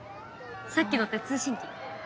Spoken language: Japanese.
さっきのって通信機？